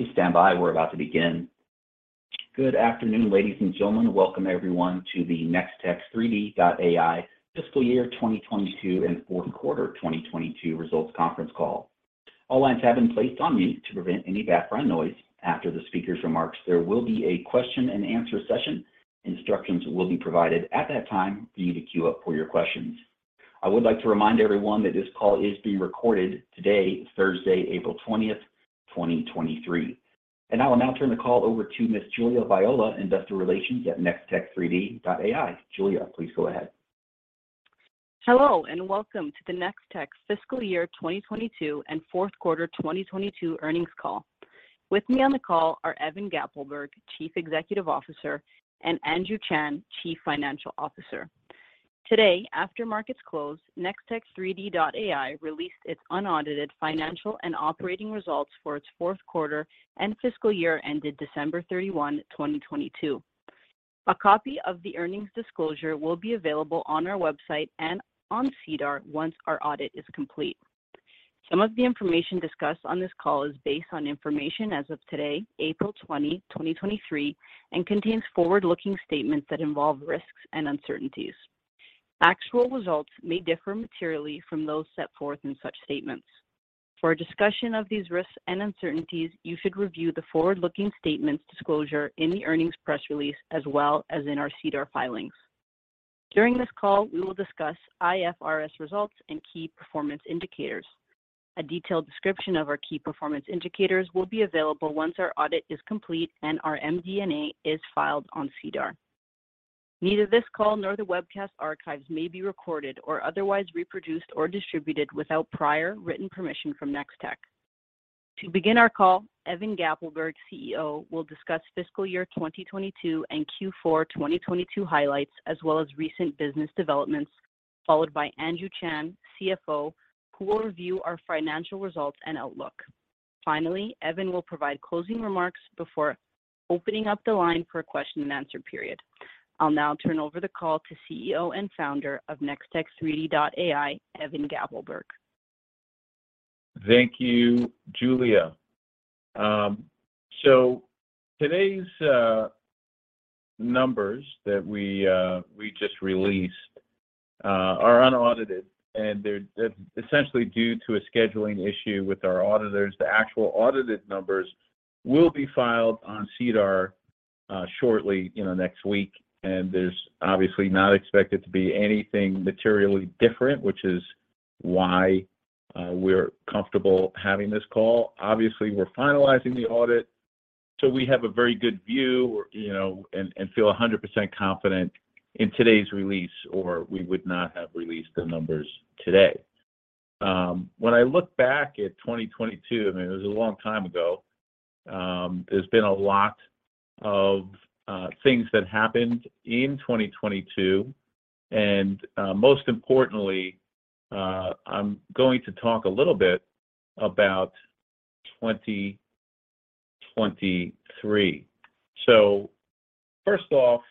Please stand by. We're about to begin. Good afternoon, ladies and gentlemen. Welcome everyone to the Nextech3D.ai Fiscal Year 2022 and Q4 2022 Results Conference Call. All lines have been placed on mute to prevent any background noise. After the speaker's remarks, there will be a question and answer session. Instructions will be provided at that time for you to queue up for your questions. I would like to remind everyone that this call is being recorded today, Thursday, 20 April 2023. I will now turn the call over to Ms. Julia Viola, Investor Relations at Nextech3D.ai. Julia, please go ahead. Hello, welcome to the Nextech3D.a Fiscal Year 2022 and Q4 2022 earnings call. With me on the call are Evan Gappelberg, CEO, and Andrew Chan, CFO. Today, after markets closed, Nextech3D.ai released its unaudited financial and operating results for its Q4 and fiscal year ended 31 December 2022. A copy of the earnings disclosure will be available on our website and on SEDAR once our audit is complete. Some of the information discussed on this call is based on information as of today, 20 April 2023, contains forward-looking statements that involve risks and uncertainties. Actual results may differ materially from those set forth in such statements. For a discussion of these risks and uncertainties, you should review the forward-looking statements disclosure in the earnings press release as well as in our SEDAR filings. During this call, we will discuss IFRS results and key performance indicators. A detailed description of our key performance indicators will be available once our audit is complete and our MD&A is filed on SEDAR. Neither this call nor the webcast archives may be recorded or otherwise reproduced or distributed without prior written permission from Nextech3D.ai. To begin our call, Evan Gappelberg, CEO, will discuss fiscal year 2022 and Q4 2022 highlights, as well as recent business developments, followed by Andrew Chan, CFO, who will review our financial results and outlook. Evan will provide closing remarks before opening up the line for a question and answer period. I'll now turn over the call to CEO and founder of Nextech3D.AI, Evan Gappelberg. Thank you, Julia. So today's numbers that we just released are unaudited, and they're essentially due to a scheduling issue with our auditors. The actual audited numbers will be filed on SEDAR shortly, you know, next week. There's obviously not expected to be anything materially different, which is why we're comfortable having this call. Obviously, we're finalizing the audit, so we have a very good view, you know, and feel 100% confident in today's release, or we would not have released the numbers today. When I look back at 2022, I mean, it was a long time ago. There's been a lot of things that happened in 2022, most importantly, I'm going to talk a little bit about 2023. First off,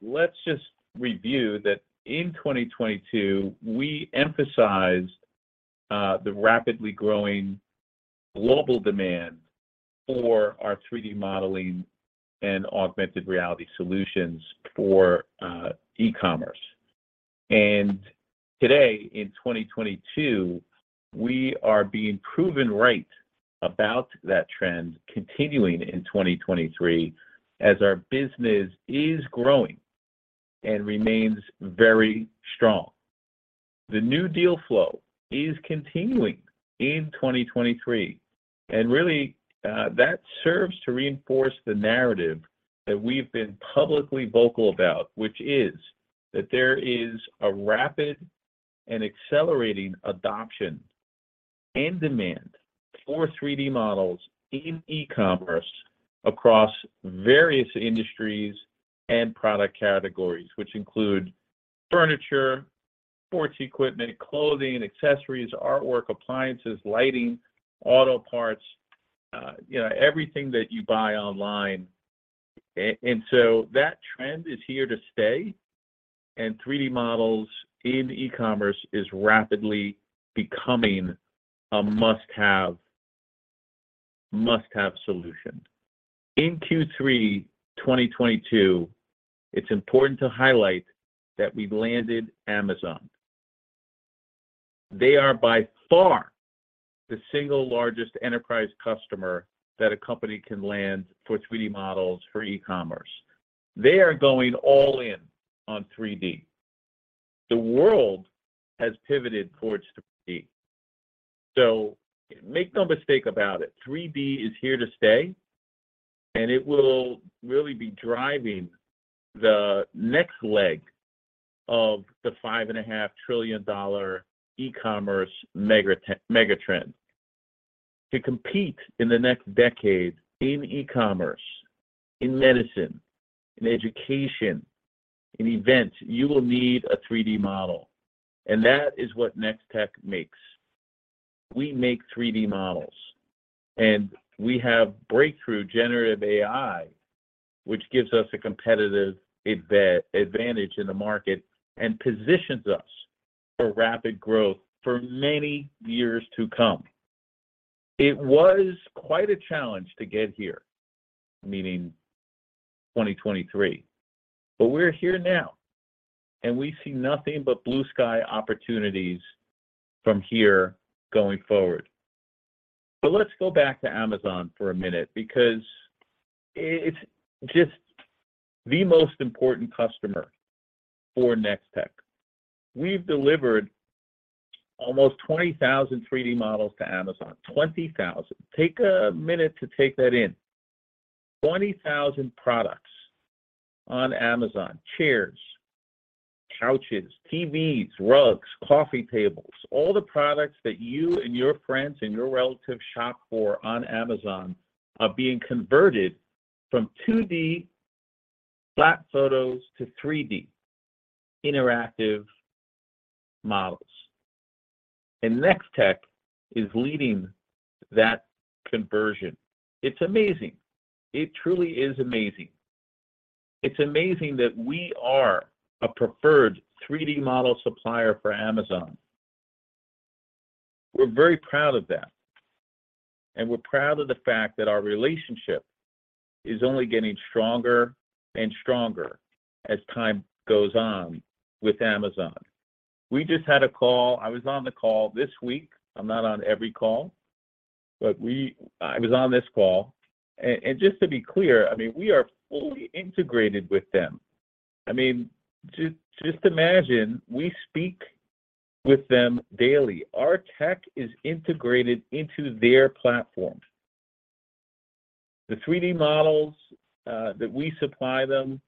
let's just review that in 2022, we emphasized the rapidly growing global demand for our 3D modeling and augmented reality solutions for e-commerce. Today in 2022, we are being proven right about that trend continuing in 2023 as our business is growing and remains very strong. The new deal flow is continuing in 2023, and really, that serves to reinforce the narrative that we've been publicly vocal about, which is that there is a rapid and accelerating adoption and demand for 3D models in e-commerce across various industries and product categories, which include furniture, sports equipment, clothing, accessories, artwork, appliances, lighting, auto parts, you know, everything that you buy online. That trend is here to stay, and 3D models in e-commerce is rapidly becoming a must-have solution. In Q3 2022, it's important to highlight that we've landed Amazon. They are by far the single largest enterprise customer that a company can land for 3D models for e-commerce. They are going all in on 3D. The world has pivoted towards 3D. Make no mistake about it, 3D is here to stay, and it will really be driving the next leg of the $5.5 trillion e-commerce mega trend. To compete in the next decade in e-commerce, in medicine, in education, in events, you will need a 3D model, and that is what Nextech makes. We make 3D models, and we have breakthrough generative AI, which gives us a competitive advantage in the market and positions us for rapid growth for many years to come. It was quite a challenge to get here, meaning 2023. We're here now, and we see nothing but blue sky opportunities from here going forward. Let's go back to Amazon for a minute because it's just the most important customer for Nextech. We've delivered almost 20,000 3D models to Amazon. 20,000. Take a minute to take that in. 20,000 products on Amazon. Chairs, couches, TVs, rugs, coffee tables, all the products that you and your friends and your relatives shop for on Amazon are being converted from 2D flat photos to 3D interactive models. Nextech is leading that conversion. It's amazing. It truly is amazing. It's amazing that we are a preferred 3D model supplier for Amazon. We're very proud of that, and we're proud of the fact that our relationship is only getting stronger and stronger as time goes on with Amazon. We just had a call. I was on the call this week. I'm not on every call, but I was on this call. Just to be clear, I mean, we are fully integrated with them. I mean, just imagine we speak with them daily. Our tech is integrated into their platforms. The 3D models that we supply them,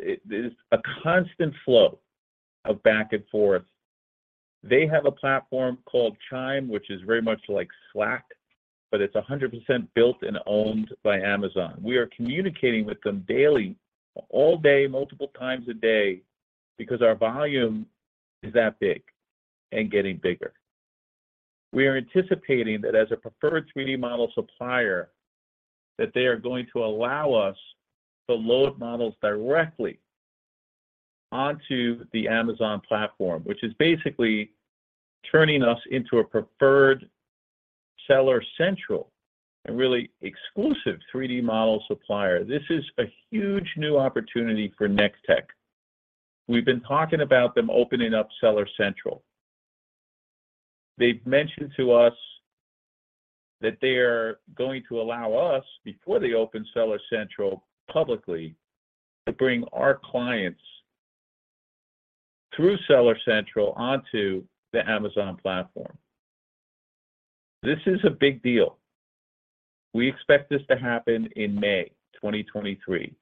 it is a constant flow of back and forth. They have a platform called Chime, which is very much like Slack, but it's 100% built and owned by Amazon. We are communicating with them daily, all day, multiple times a day, because our volume is that big and getting bigger. We are anticipating that as a preferred 3D model supplier, that they are going to allow us to load models directly onto the Amazon platform, which is basically turning us into a preferred Seller Central and really exclusive 3D model supplier. This is a huge new opportunity for Nextech. We've been talking about them opening up Seller Central. They've mentioned to us that they are going to allow us, before they open Seller Central publicly, to bring our clients through Seller Central onto the Amazon platform. This is a big deal. We expect this to happen in May 2023.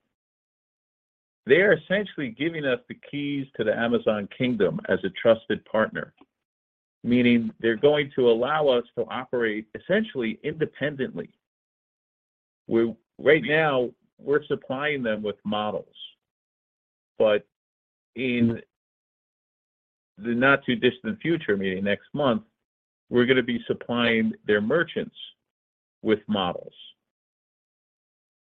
They are essentially giving us the keys to the Amazon kingdom as a trusted partner, meaning they're going to allow us to operate essentially independently. Right now we're supplying them with models, but in the not-too-distant future, meaning next month, we're gonna be supplying their merchants with models,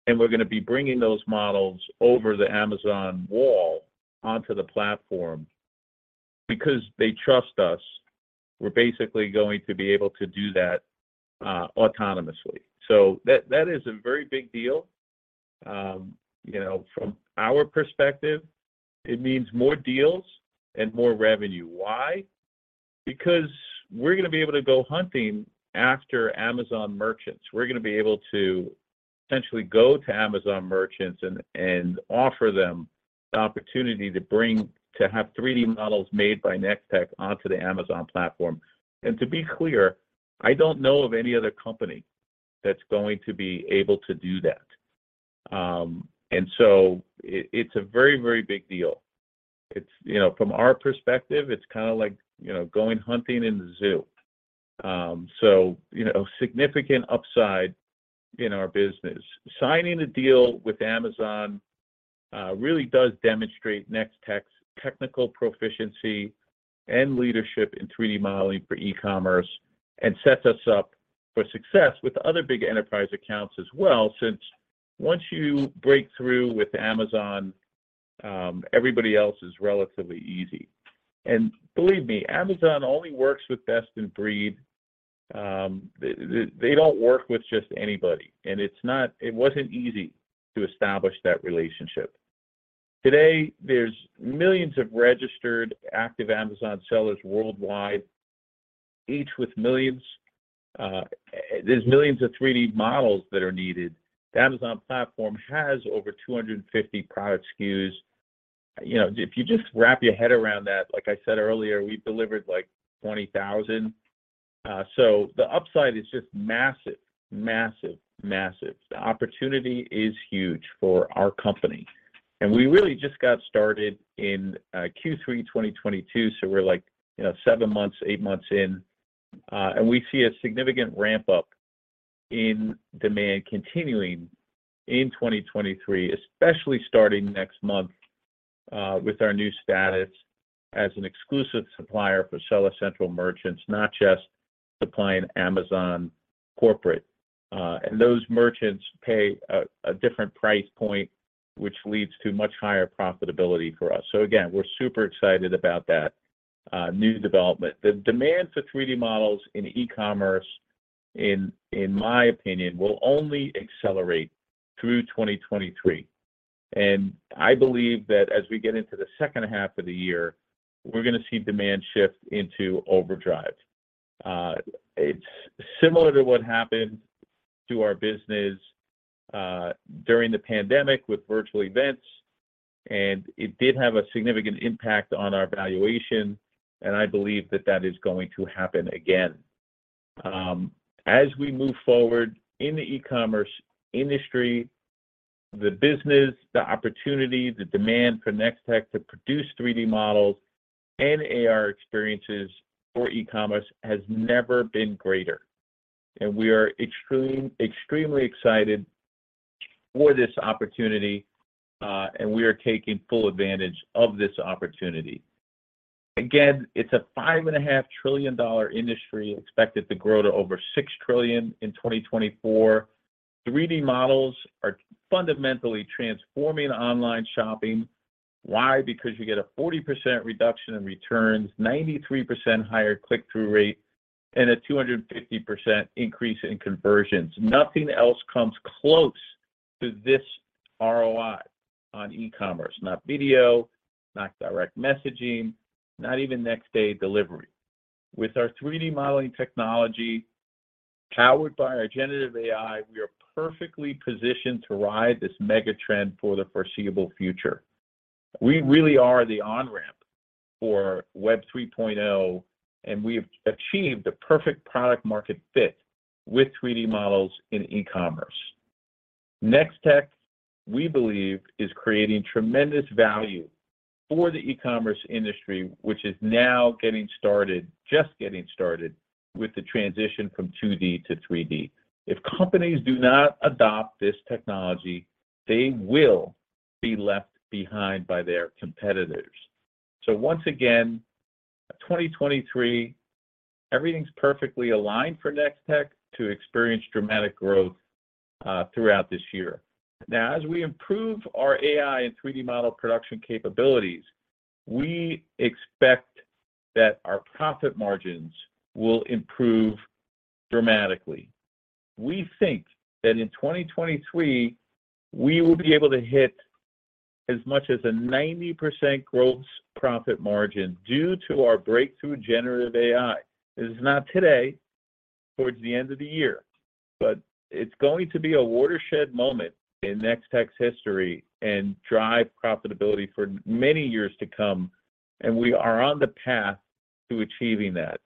and we're gonna be bringing those models over the Amazon wall onto the platform. Because they trust us, we're basically going to be able to do that autonomously. That is a very big deal. You know, from our perspective, it means more deals and more revenue. Why? Because we're gonna be able to go hunting after Amazon merchants. We're gonna be able to essentially go to Amazon merchants and offer them the opportunity to have 3D models made by Nextech onto the Amazon platform. To be clear, I don't know of any other company that's going to be able to do that. So it's a very, very big deal. It's, you know, from our perspective, it's kinda like, you know, going hunting in the zoo. You know, significant upside in our business. Signing a deal with Amazon really does demonstrate Nextech's technical proficiency and leadership in 3D modeling for e-commerce and sets us up for success with other big enterprise accounts as well, since once you break through with Amazon, everybody else is relatively easy. Believe me, Amazon only works with best in breed. They don't work with just anybody, and it wasn't easy to establish that relationship. Today, there's millions of registered active Amazon sellers worldwide, each with millions. There's millions of 3D models that are needed. The Amazon platform has over 250 product SKUs. You know, if you just wrap your head around that, like I said earlier, we've delivered like 20,000. So the upside is just massive. Massive, massive. The opportunity is huge for our company. We really just got started in Q3 2022, so we're like, you know, seven months, eight months in. We see a significant ramp-up in demand continuing in 2023, especially starting next month. With our new status as an exclusive supplier for Seller Central merchants, not just supplying Amazon corporate. Those merchants pay a different price point, which leads to much higher profitability for us. Again, we're super excited about that new development. The demand for 3D models in e-commerce, in my opinion, will only accelerate through 2023. I believe that as we get into the second half of the year, we're gonna see demand shift into overdrive. It's similar to what happened to our business during the pandemic with virtual events, and it did have a significant impact on our valuation, and I believe that that is going to happen again. As we move forward in the e-commerce industry, the business, the opportunity, the demand for Nextech to produce 3D models and AR experiences for e-commerce has never been greater. We are extremely excited for this opportunity, and we are taking full advantage of this opportunity. Again, it's a five and a half trillion dollar industry expected to grow to over $6 trillion in 2024. 3D models are fundamentally transforming online shopping. Why? Because you get a 40% reduction in returns, 93% higher click-through rate, and a 250% increase in conversions. Nothing else comes close to this ROI on e-commerce. Not video, not direct messaging, not even next day delivery. With our 3D modeling technology, powered by our generative AI, we are perfectly positioned to ride this mega trend for the foreseeable future. We really are the on-ramp for Web 3.0, we've achieved the perfect product market fit with 3D models in e-commerce. Nextech, we believe, is creating tremendous value for the e-commerce industry, which is now getting started with the transition from 2D to 3D. If companies do not adopt this technology, they will be left behind by their competitors. Once again, 2023, everything's perfectly aligned for Nextech to experience dramatic growth throughout this year. Now, as we improve our AI and 3D model production capabilities, we expect that our profit margins will improve dramatically. We think that in 2023, we will be able to hit as much as a 90% gross profit margin due to our breakthrough generative AI. It is not today, towards the end of the year, but it's going to be a watershed moment in Nextech's history and drive profitability for many years to come. We are on the path to achieving that.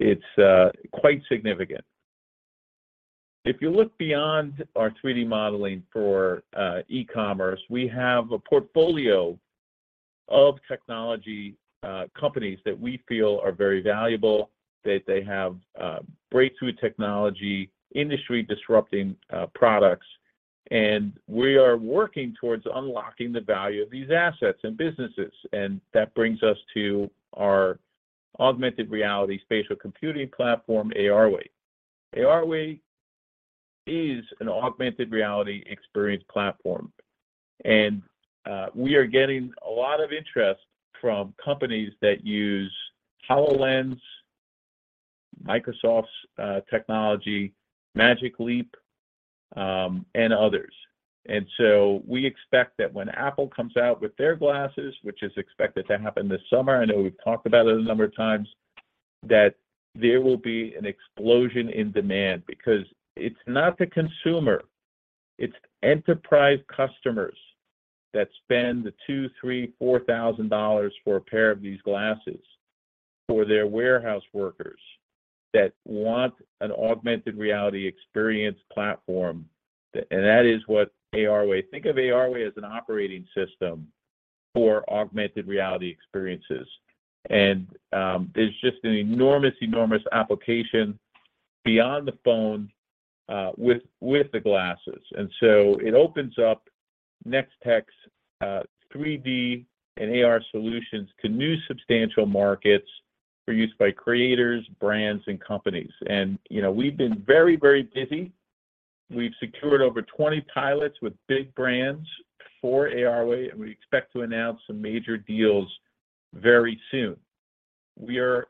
It's quite significant. If you look beyond our 3D modeling for e-commerce, we have a portfolio of technology companies that we feel are very valuable, that they have breakthrough technology, industry-disrupting products. We are working towards unlocking the value of these assets and businesses. That brings us to our augmented reality spatial computing platform, ARway. ARway is an augmented reality experience platform. We are getting a lot of interest from companies that use HoloLens, Microsoft's technology, Magic Leap, and others. We expect that when Apple comes out with their glasses, which is expected to happen this summer, I know we've talked about it a number of times, that there will be an explosion in demand because it's not the consumer, it's enterprise customers that spend the 2,000 dollars, 3,000 dollars, 4,000 dollars for a pair of these glasses for their warehouse workers that want an augmented reality experience platform, and that is what ARway. Think of ARway as an operating system for augmented reality experiences. There's just an enormous application beyond the phone with the glasses. It opens up Nextech's 3D and AR solutions to new substantial markets for use by creators, brands, and companies. You know, we've been very busy. We've secured over 20 pilots with big brands for ARway, and we expect to announce some major deals very soon. We are,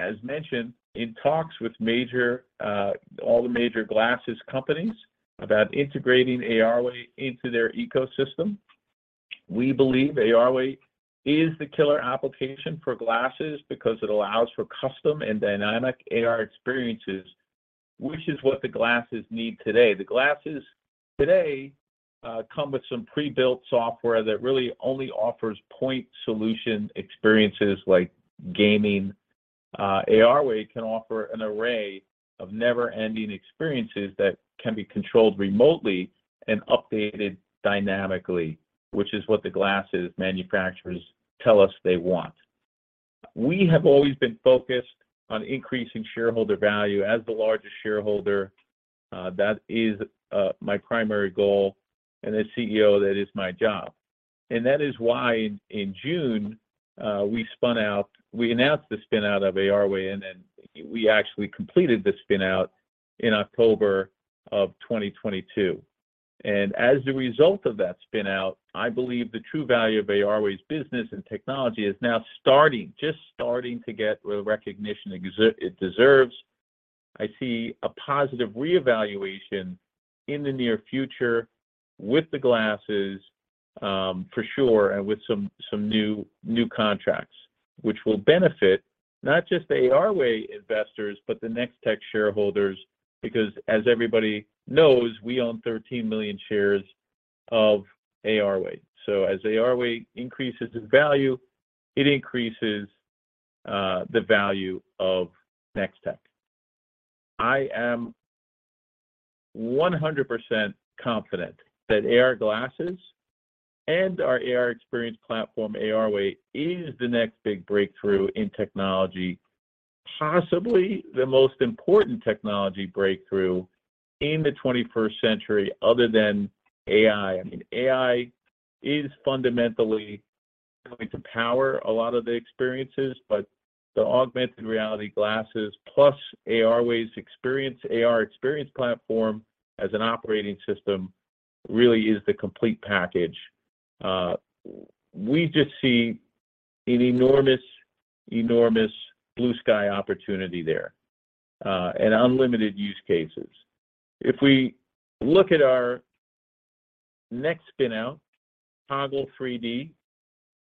as mentioned, in talks with major, all the major glasses companies about integrating ARway into their ecosystem. We believe ARway is the killer application for glasses because it allows for custom and dynamic AR experiences, which is what the glasses need today. The glasses today come with some pre-built software that really only offers point solution experiences like gaming. ARway can offer an array of never-ending experiences that can be controlled remotely and updated dynamically, which is what the glasses manufacturers tell us they want. We have always been focused on increasing shareholder value. As the largest shareholder, that is my primary goal, and as CEO, that is my job. That is why in June, we announced the spin out of ARway, and then we actually completed the spin out in October 2022. As a result of that spin out, I believe the true value of ARway's business and technology is now starting, just starting to get the recognition it deserves. I see a positive reevaluation in the near future with the glasses, for sure, and with some new contracts, which will benefit not just ARway investors, but the Nextech shareholders, because as everybody knows, we own 13 million shares of ARway. As ARway increases in value, it increases the value of Nextech. I am 100% confident that AR glasses and our AR experience platform, ARway, is the next big breakthrough in technology, possibly the most important technology breakthrough in the 21st century other than AI. I mean, AI is fundamentally going to power a lot of the experiences, but the augmented reality glasses plus ARway's experience, AR experience platform as an operating system really is the complete package. We just see an enormous blue sky opportunity there, and unlimited use cases. If we look at our next spin out, Toggle3D,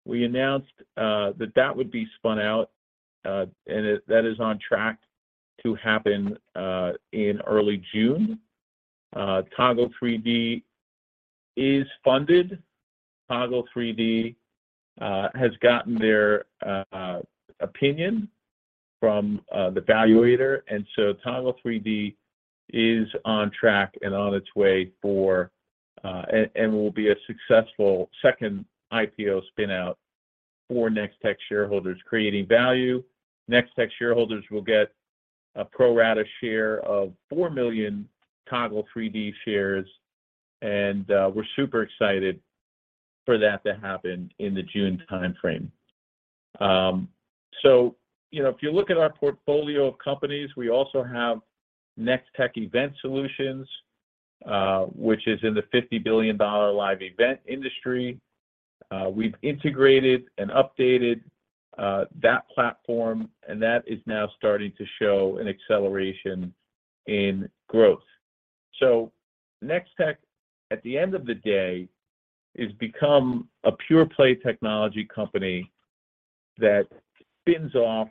we announced that that would be spun out and that is on track to happen in early June. Toggle3D is funded. Toggle3D has gotten their opinion from the valuator, and so Toggle3D is on track and on its way for and will be a successful second IPO spin out for Nextech shareholders, creating value. Nextech shareholders will get a pro rata share of 4 million Toggle3D shares. We're super excited for that to happen in the June timeframe. You know, if you look at our portfolio of companies, we also have Nextech Event Solutions, which is in the $50 billion live event industry. We've integrated and updated that platform, and that is now starting to show an acceleration in growth. Nextech, at the end of the day, is become a pure play technology company that spins off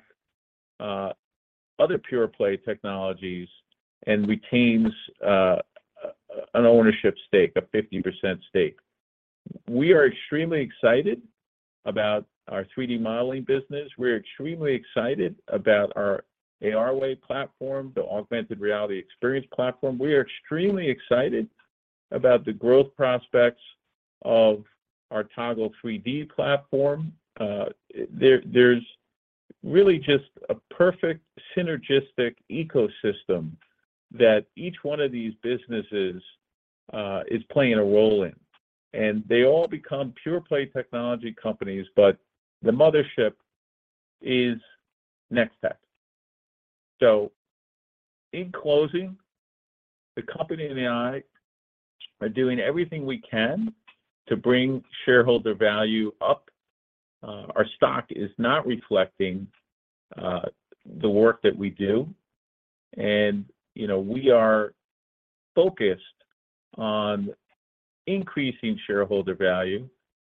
other pure play technologies and retains an ownership stake, a 50% stake. We are extremely excited about our 3D modeling business. We're extremely excited about our ARway platform, the augmented reality experience platform. We are extremely excited about the growth prospects of our Toggle3D platform. There's really just a perfect synergistic ecosystem that each one of these businesses is playing a role in, and they all become pure play technology companies, but the mothership is Nextech. In closing, the company and I are doing everything we can to bring shareholder value up. Our stock is not reflecting the work that we do. You know, we are focused on increasing shareholder value,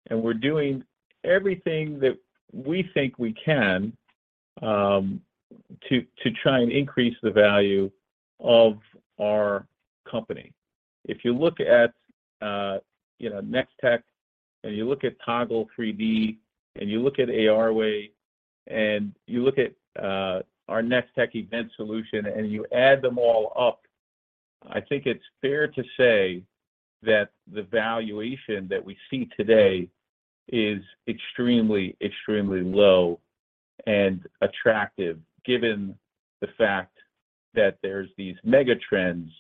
and we're doing everything that we think we can to try and increase the value of our company. If you look at, you know, Nextech3D.AI, and you look at Toggle3D.ai, and you look at ARway, and you look at our Nextech Event Solutions, and you add them all up, I think it's fair to say that the valuation that we see today is extremely low and attractive given the fact that there's these mega trends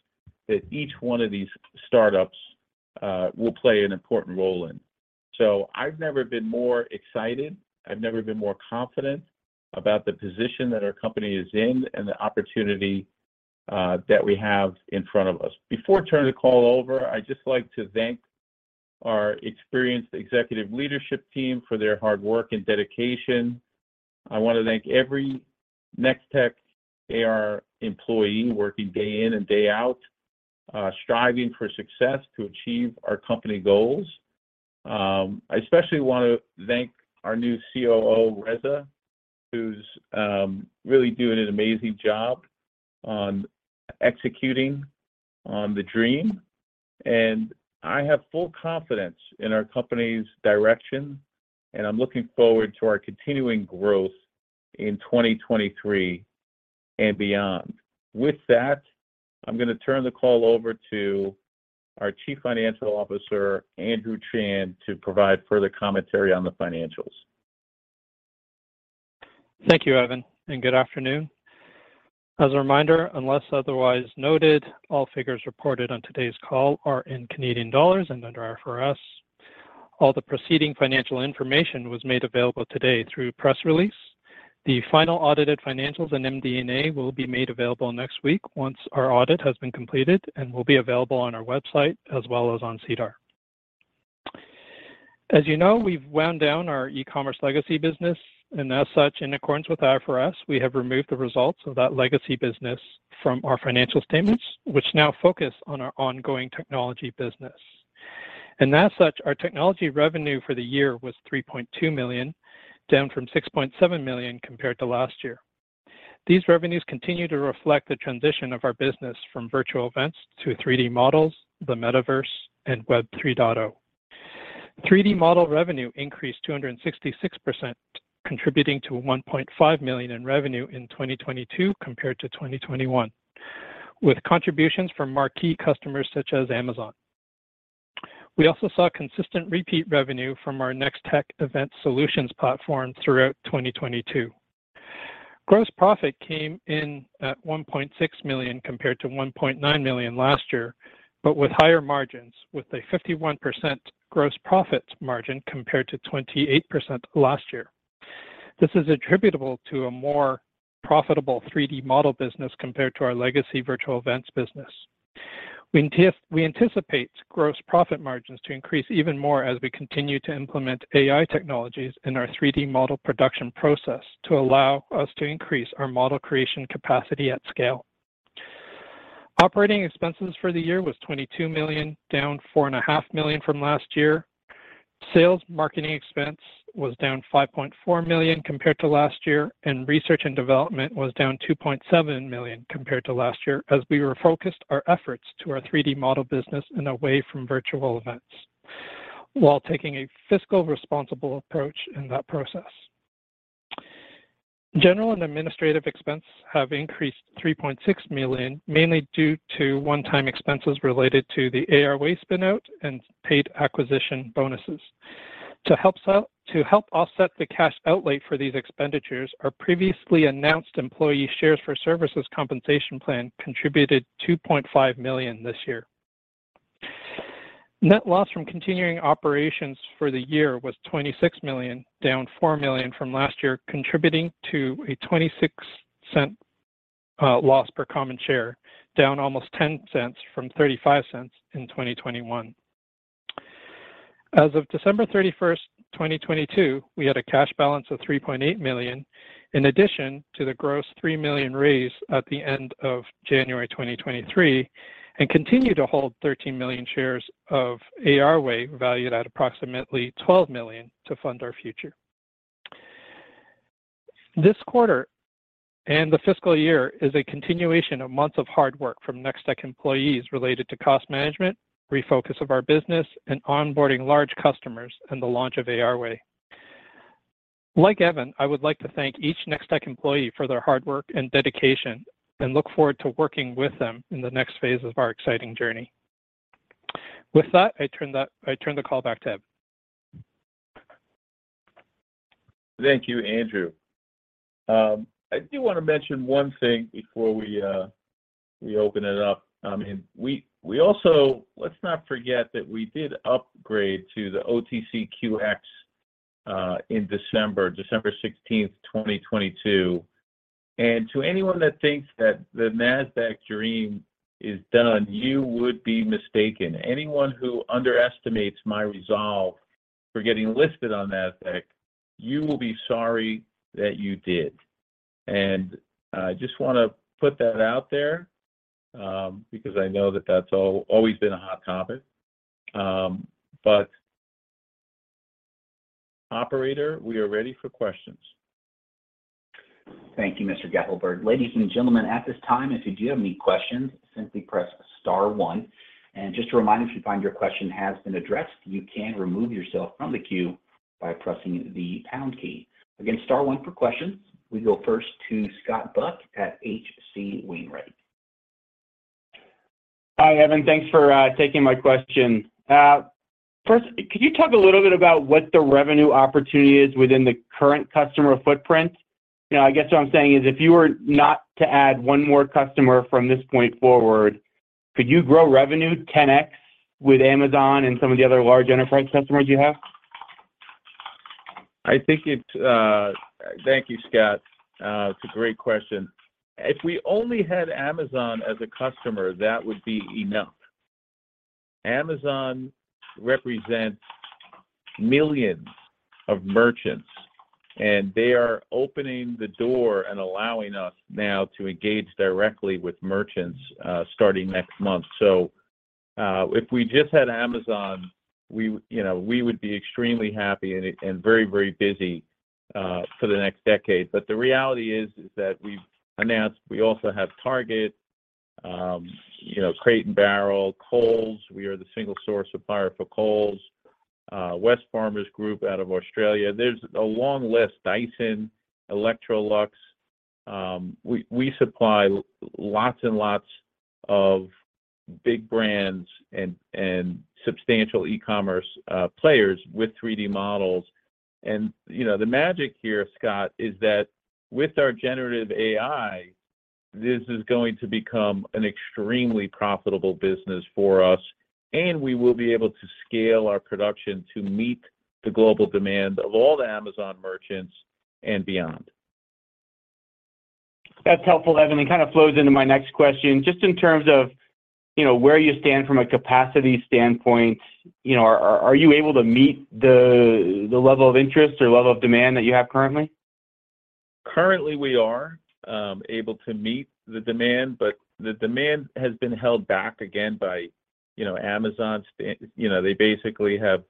that each one of these startups will play an important role in. I've never been more excited. I've never been more confident about the position that our company is in and the opportunity that we have in front of us. Before turning the call over, I'd just like to thank our experienced executive leadership team for their hard work and dedication. I wanna thank every Nextech3D.AI employee working day in and day out, striving for success to achieve our company goals. I especially want to thank our new COO, Reza, who's really doing an amazing job on executing on the dream. I have full confidence in our company's direction, and I'm looking forward to our continuing growth in 2023 and beyond. With that, I'm gonna turn the call over to our CFO, Andrew Chan, to provide further commentary on the financials. Thank you, Evan. Good afternoon. As a reminder, unless otherwise noted, all figures reported on today's call are in Canadian dollars and under IFRS. All the preceding financial information was made available today through press release. The final audited financials in MD&A will be made available next week once our audit has been completed. Will be available on our website as well as on SEDAR. As you know, we've wound down our e-commerce legacy business. As such, in accordance with IFRS, we have removed the results of that legacy business from our financial statements, which now focus on our ongoing technology business. As such, our technology revenue for the year was 3.2 million, down from 6.7 million compared to last year. These revenues continue to reflect the transition of our business from virtual events to 3D models, the metaverse, and Web 3.0. 3D model revenue increased 266%, contributing to 1.5 million in revenue in 2022 compared to 2021, with contributions from marquee customers such as Amazon. We also saw consistent repeat revenue from our Nextech Event Solutions platform throughout 2022. Gross profit came in at 1.6 million compared to 1.9 million last year, but with higher margins, with a 51% gross profit margin compared to 28% last year. This is attributable to a more profitable 3D model business compared to our legacy virtual events business. We anticipate gross profit margins to increase even more as we continue to implement AI technologies in our 3D model production process to allow us to increase our model creation capacity at scale. Operating expenses for the year was 22 million, down 4.5 million from last year. Sales marketing expense was down 5.4 million compared to last year, and research and development was down 2.7 million compared to last year, as we refocused our efforts to our 3D model business and away from virtual events while taking a fiscal responsible approach in that process. General and administrative expenses have increased 3.6 million, mainly due to one-time expenses related to the ARway spin out and paid acquisition bonuses. To help offset the cash outlay for these expenditures, our previously announced employee shares for services compensation plan contributed 2.5 million this year. Net loss from continuing operations for the year was 26 million, down 4 million from last year, contributing to a 0.26 loss per common share, down almost 0.10 from 0.35 in 2021. As of 31 December 2022, we had a cash balance of 3.8 million, in addition to the gross 3 million raised at the end of January 2023, continue to hold 13 million shares of ARway, valued at approximately 12 million to fund our future. This quarter and the fiscal year is a continuation of months of hard work from Nextech employees related to cost management, refocus of our business, onboarding large customers, and the launch of ARway. Like Evan, I would like to thank each Nextech employee for their hard work and dedication, and look forward to working with them in the next phase of our exciting journey. With that, I turn the call back to Evan. Thank you, Andrew. I do wanna mention one thing before we open it up. Let's not forget that we did upgrade to the OTCQX in 16 December 2022. To anyone that thinks that the Nasdaq dream is done, you would be mistaken. Anyone who underestimates my resolve for getting listed on Nasdaq, you will be sorry that you did. I just wanna put that out there, because I know that that's always been a hot topic. Operator, we are ready for questions. Thank you, Mr. Gappelberg. Ladies and gentlemen, at this time, if you do have any questions, simply press star one. Just a reminder, if you find your question has been addressed, you can remove yourself from the queue by pressing the pound key. Again, star one for questions. We go first to Scott Buck at H.C. Wainwright & Co. Hi, Evan. Thanks for taking my question. First, could you talk a little bit about what the revenue opportunity is within the current customer footprint? You know, I guess what I'm saying is if you were not to add one more customer from this point forward, could you grow revenue 10x with Amazon and some of the other large enterprise customers you have? Thank you, Scott. It's a great question. If we only had Amazon as a customer, that would be enough. Amazon represents millions of merchants, they are opening the door and allowing us now to engage directly with merchants starting next month. If we just had Amazon, we, you know, we would be extremely happy and very, very busy for the next decade. The reality is that we've announced we also have Target, you know, Crate & Barrel, Kohl's, we are the single source supplier for Kohl's. Wesfarmers out of Australia. There's a long list. Dyson, Electrolux. We supply lots and lots of big brands and substantial e-commerce players with 3D models. You know, the magic here, Scott, is that with our generative AI, this is going to become an extremely profitable business for us, and we will be able to scale our production to meet the global demand of all the Amazon merchants and beyond. That's helpful, Evan. It kind of flows into my next question. Just in terms of, you know, where you stand from a capacity standpoint, you know, are you able to meet the level of interest or level of demand that you have currently? Currently, we are able to meet the demand, but the demand has been held back again by, you know, Amazon's. You know, they basically have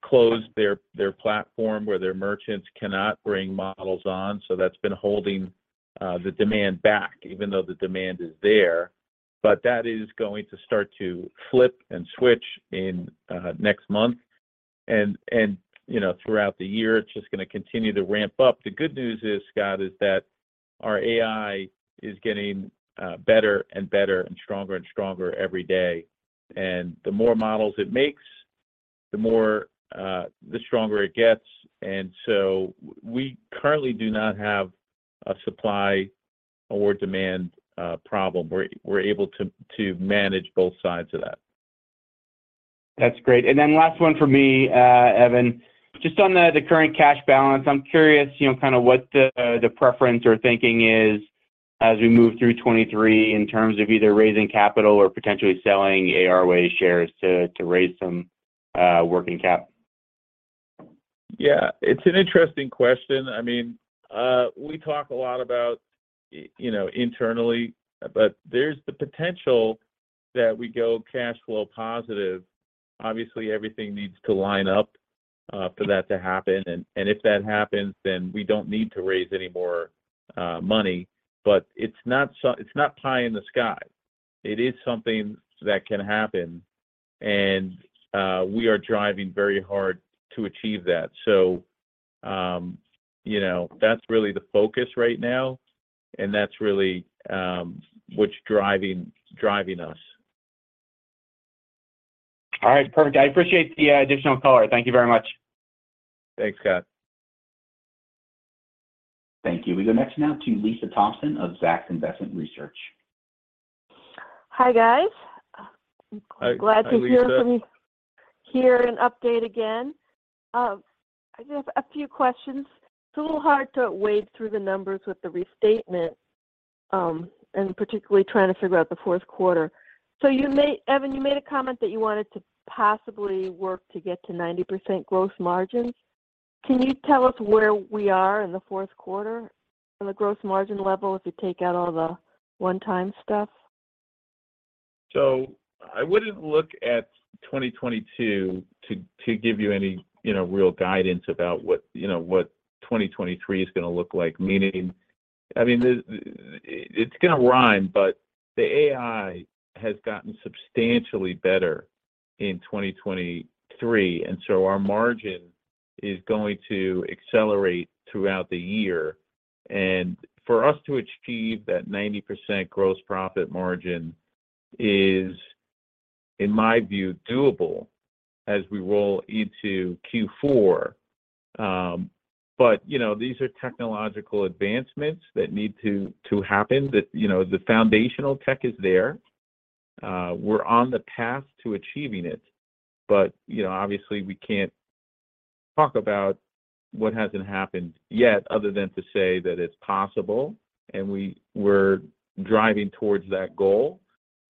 closed their platform where their merchants cannot bring models on, so that's been holding the demand back, even though the demand is there. That is going to start to flip and switch in next month and, you know, throughout the year, it's just gonna continue to ramp up. The good news is, Scott, is that our AI is getting better and stronger every day. The more models it makes, the stronger it gets. We currently do not have a supply or demand problem. We're able to manage both sides of that. That's great. Last one for me, Evan, just on the current cash balance, I'm curious, you know, kind of what the preference or thinking is as we move through 2023 in terms of either raising capital or potentially selling ARway shares to raise some working cap. Yeah. It's an interesting question. I mean, we talk a lot about, you know, internally, but there's the potential that we go cash flow positive. Obviously, everything needs to line up for that to happen. If that happens, then we don't need to raise any more money. It's not pie in the sky. It is something that can happen, and we are driving very hard to achieve that. You know, that's really the focus right now, and that's really what's driving us. All right. Perfect. I appreciate the additional color. Thank you very much. Thanks, Scott. Thank you. We go next now to Lisa Thompson of Zacks Investment Research. Hi, guys. glad to hear from. Hi. Hi, Lisa. Hear an update again. I just have a few questions. It's a little hard to wade through the numbers with the restatement, and particularly trying to figure out the Q4. Evan, you made a comment that you wanted to possibly work to get to 90% gross margins. Can you tell us where we are in the Q4 on the gross margin level if you take out all the one-time stuff? I wouldn't look at 2022 to give you any, you know, real guidance about what, you know, what 2023 is gonna look like. I mean, it's gonna rhyme, but the AI has gotten substantially better in 2023, and so our margin is going to accelerate throughout the year. For us to achieve that 90% gross profit margin is, in my view, doable as we roll into Q4. You know, these are technological advancements that need to happen. You know, the foundational tech is there. We're on the path to achieving it. You know, obviously, we can't talk about what hasn't happened yet other than to say that it's possible, and we're driving towards that goal.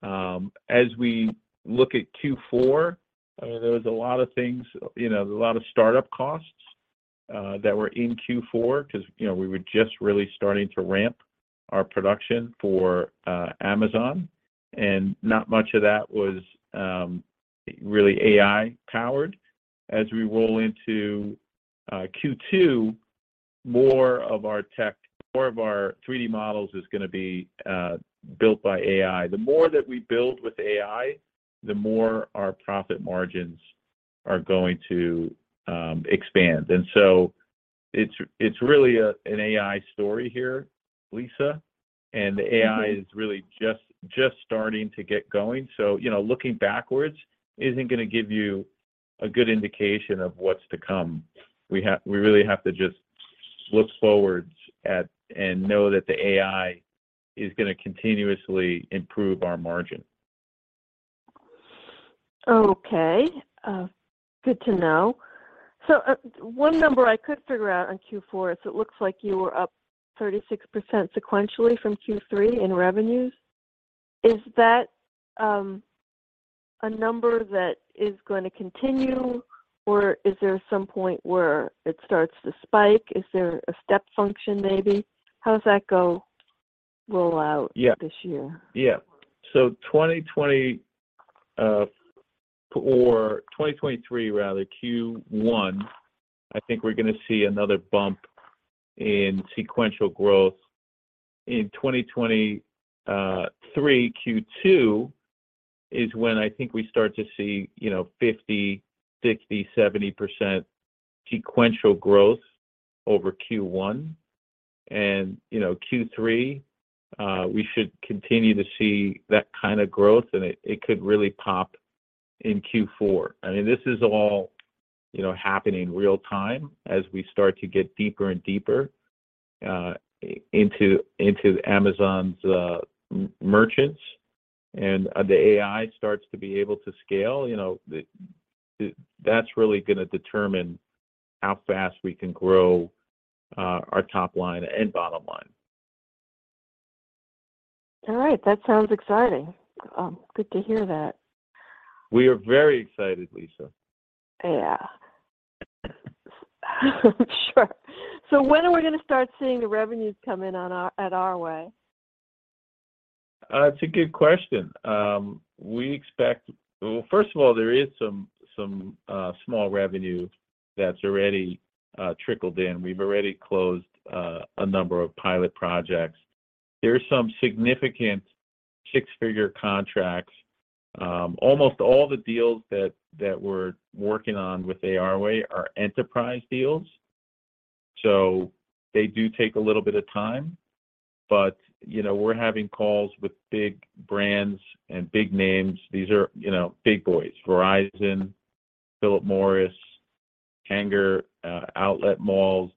As we look at Q4, I mean, there was a lot of things, you know, a lot of startup costs, that were in Q4, 'cause, you know, we were just really starting to ramp our production for Amazon, and not much of that was really AI-powered. As we roll into Q2, more of our tech, more of our 3D models is gonna be built by AI. The more that we build with AI, the more our profit margins are going to expand. It's really an AI story here, Lisa. Mm-hmm. The AI is really just starting to get going. You know, looking backwards isn't gonna give you a good indication of what's to come. We really have to just look forwards at and know that the AI is gonna continuously improve our margin. Okay. Good to know. One number I could figure out on Q4, so it looks like you were up 36% sequentially from Q3 in revenues. Is that a number that is gonna continue, or is there some point where it starts to spike? Is there a step function maybe? How does that go roll out? Yeah. this year? Yeah. 2020, or 2023 rather, Q1, I think we're gonna see another bump in sequential growth in 2023 Q2 is when I think we start to see, you know, 50%, 60%, 70% sequential growth over Q1. You know, Q3, we should continue to see that kind of growth, and it could really pop in Q4. I mean, this is all, you know, happening real time as we start to get deeper and deeper into Amazon's merchants, and the AI starts to be able to scale. You know, That's really gonna determine how fast we can grow our top line and bottom line. All right. That sounds exciting. Good to hear that. We are very excited, Lisa. Yeah. Sure. When are we gonna start seeing the revenues come in at ARway? It's a good question. Well, first of all, there is some small revenue that's already trickled in. We've already closed a number of pilot projects. There are some significant six-figure contracts. Almost all the deals that we're working on with ARway are enterprise deals, so they do take a little bit of time. You know, we're having calls with big brands and big names. These are, you know, big boys, Verizon, Philip Morris, Tanger Outlet Malls,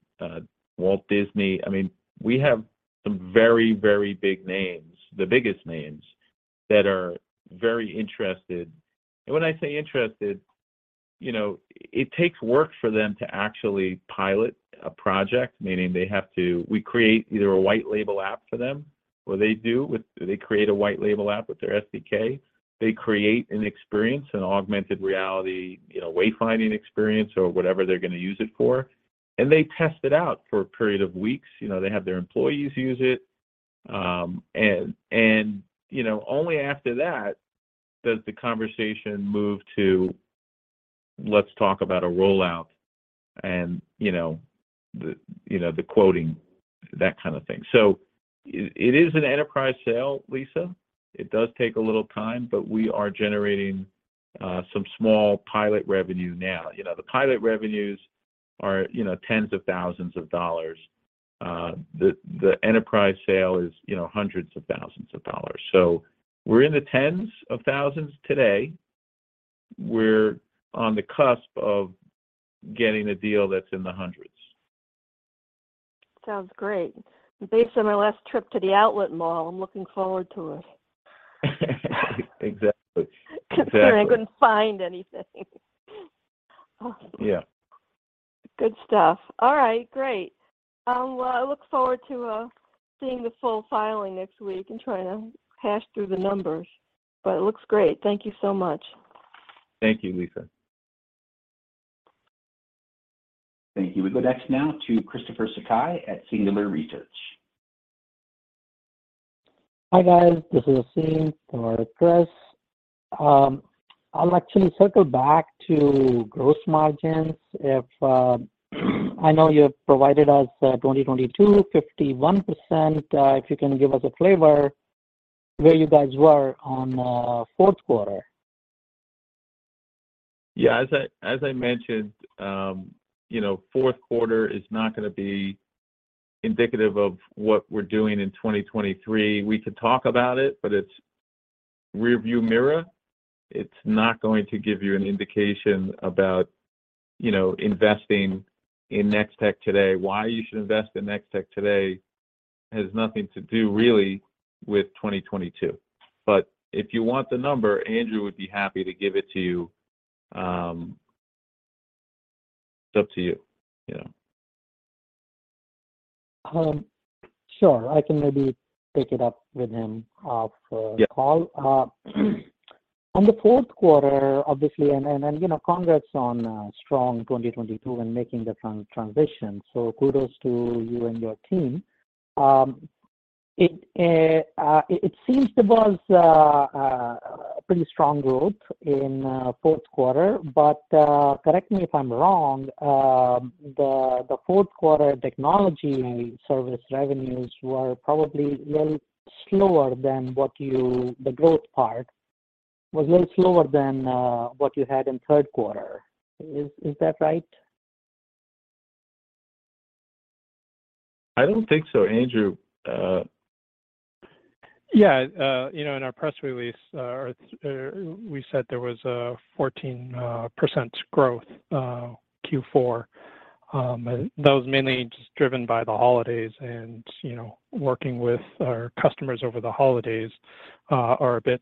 Walt Disney. I mean, we have some very, very big names, the biggest names that are very interested. When I say interested, you know, it takes work for them to actually pilot a project, meaning we create either a white label app for them, or they create a white label app with their SDK. They create an experience, an augmented reality, you know, wayfinding experience or whatever they're gonna use it for, and they test it out for a period of weeks. You know, they have their employees use it. And, you know, only after that does the conversation move to, "Let's talk about a rollout" and, you know, the, you know, the quoting, that kind of thing. It is an enterprise sale, Lisa. It does take a little time, but we are generating some small pilot revenue now. You know, the pilot revenues are, you know, CAD 10s of thousands. The enterprise sale is, you know, CAD 100s of thousands. We're in the CAD 10s of thousands today. We're on the cusp of getting a deal that's in the CAD 100s. Sounds great. Based on my last trip to the outlet mall, I'm looking forward to it. Exactly. Exactly. Considering I couldn't find anything. Yeah. Good stuff. All right, great. I look forward to seeing the full filing next week and trying to hash through the numbers, but it looks great. Thank you so much. Thank you, Lisa. Thank you. We go next now to Christopher Sakai at Singular Research. Hi, guys. This is Asim, or Chris. I'll actually circle back to gross margins if, I know you have provided us, 2022, 51%. If you can give us a flavor where you guys were on, Q4? As I mentioned, you know, Q4 is not gonna be indicative of what we're doing in 2023. We could talk about it, but it's rearview mirror. It's not going to give you an indication about, you know, investing in Nextech3D.AI today. Why you should invest in Nextech3D.AI today has nothing to do really with 2022. If you want the number, Andrew Chan would be happy to give it to you. It's up to you know. Sure. I can maybe take it up with him. Yeah... call. On the Q4, obviously, and, you know, congrats on a strong 2022 and making the transition, so kudos to you and your team. It seems there was a pretty strong growth in Q4, but correct me if I'm wrong, the Q4 technology service revenues were probably a little slower than what you. The growth part was a little slower than what you had in third quarter. Is that right? I don't think so. Andrew. Yeah. You know, in our press release, we said there was a 14% growth, Q4. That was mainly just driven by the holidays and, you know, working with our customers over the holidays, are a bit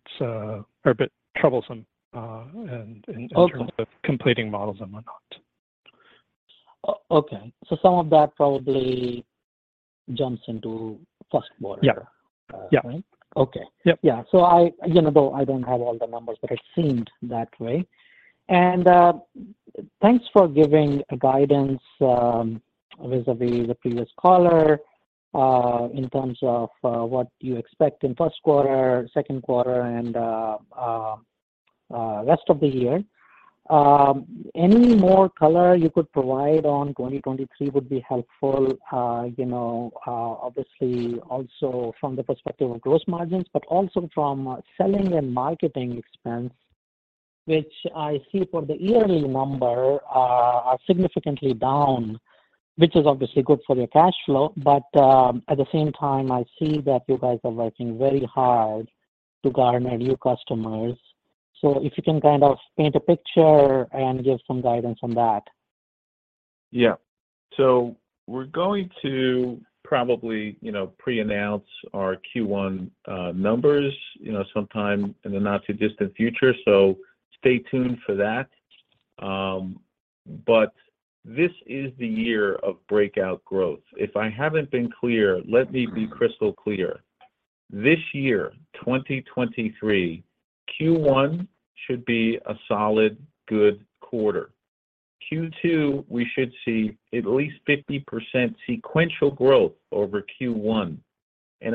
troublesome, in terms. Okay... of completing models and whatnot. Okay. Some of that probably jumps into first quarter. Yeah. Right? Yeah. Okay. Yep. I, you know, though I don't have all the numbers, but it seemed that way. Thanks for giving a guidance vis-a-vis the previous caller in terms of what you expect in first quarter, second quarter and rest of the year. Any more color you could provide on 2023 would be helpful. You know, obviously also from the perspective of gross margins, but also from selling and marketing expense, which I see for the yearly number are significantly down, which is obviously good for your cash flow. At the same time, I see that you guys are working very hard to garner new customers. If you can kind of paint a picture and give some guidance on that. We're going to probably, you know, pre-announce our Q1 numbers, you know, sometime in the not-too-distant future, so stay tuned for that. This is the year of breakout growth. If I haven't been clear, let me be crystal clear. This year, 2023, Q1 should be a solid, good quarter. Q2, we should see at least 50% sequential growth over Q1.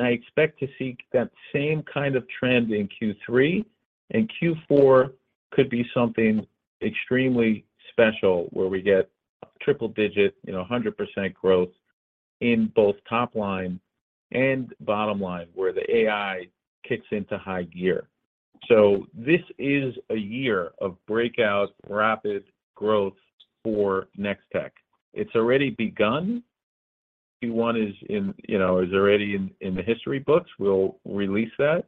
I expect to see that same kind of trend in Q3. Q4 could be something extremely special, where we get triple-digit, you know, 100% growth in both top line and bottom line, where the AI kicks into high gear. This is a year of breakout, rapid growth for Nextech. It's already begun. Q1 is, you know, already in the history books. We'll release that.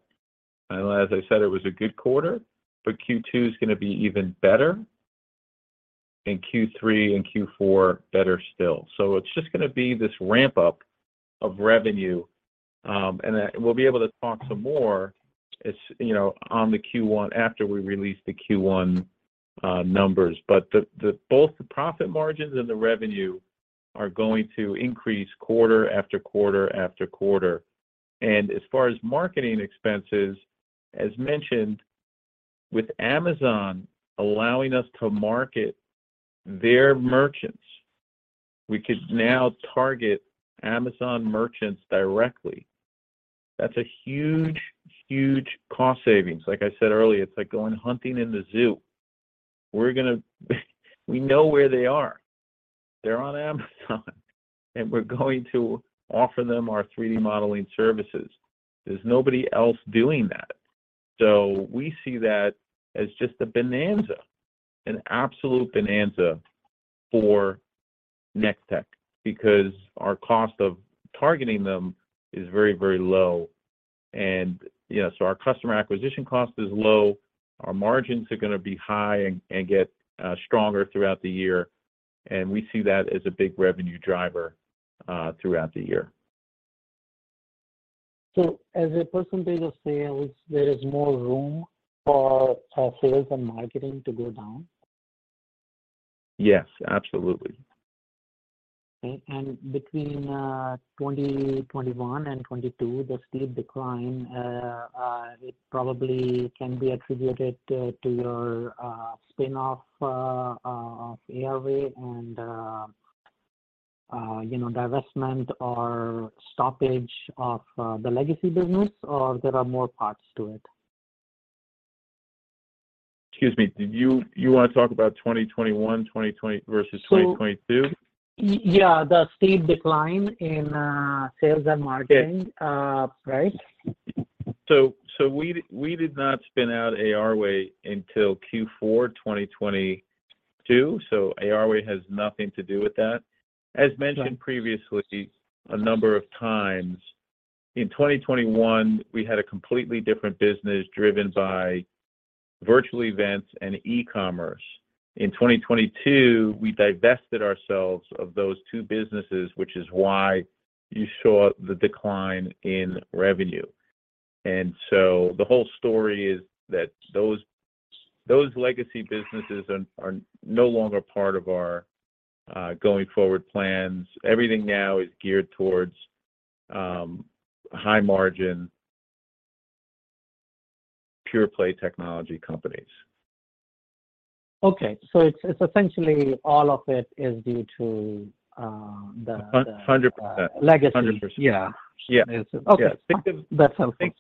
As I said, it was a good quarter, but Q2 is gonna be even better, and Q3 and Q4 better still. It's just gonna be this ramp-up of revenue, and then we'll be able to talk some more it's, you know, on the Q1 after we release the Q1 numbers. The both the profit margins and the revenue are going to increase quarter after quarter after quarter. As far as marketing expenses, as mentioned, with Amazon allowing us to market their merchants, we could now target Amazon merchants directly. That's a huge, huge cost savings. Like I said earlier, it's like going hunting in the zoo. We know where they are. They're on Amazon, and we're going to offer them our 3D modeling services. There's nobody else doing that. We see that as just a bonanza, an absolute bonanza for Nextech, because our cost of targeting them is very, very low. You know, our customer acquisition cost is low. Our margins are gonna be high and get stronger throughout the year. We see that as a big revenue driver throughout the year. As a % of sales, there is more room for sales and marketing to go down? Yes, absolutely. Between 2021 and 2022, the steep decline, it probably can be attributed to your spin-off of ARway and, you know, divestment or stoppage of the legacy business, or there are more parts to it? Excuse me. Did you wanna talk about 2021, 2020 versus 2022? Yeah, the steep decline in sales and marketing. Yes right? We did not spin out ARway until Q4 2022, so ARway has nothing to do with that. As mentioned previously a number of times, in 2021, we had a completely different business driven by virtual events and e-commerce. In 2022, we divested ourselves of those two businesses, which is why you saw the decline in revenue. The whole story is that those legacy businesses are no longer part of our going forward plans. Everything now is geared towards high margin, pure play technology companies. Okay. It's essentially all of it is due to. 100%. legacy. 100%. Yeah. Yeah. Okay. Yeah. That's helpful.... think.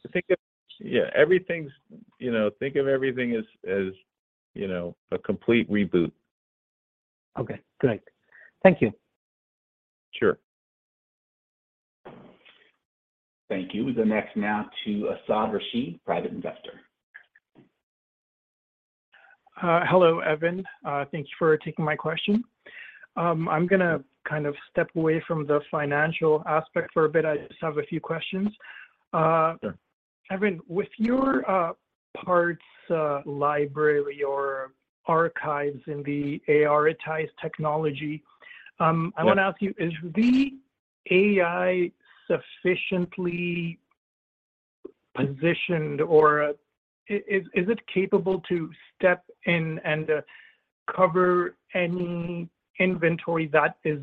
Yeah. Everything's, you know, think of everything as, you know, a complete reboot. Okay, great. Thank you. Sure. Thank you. The next now to Asad Rashid, Private Investor. Hello, Evan. Thank you for taking my question. I'm gonna kind of step away from the financial aspect for a bit. I just have a few questions. Sure. Evan, with your parts, library or archives in the ARitize technology. Yeah I wanna ask you, is the AI sufficiently positioned or is it capable to step in and cover any inventory that is